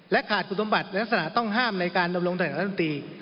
และขาดคุณสมบัติและลักษณะต้องห้ามในการดำรงดังรัฐมนตรี